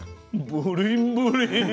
ブリンブリン。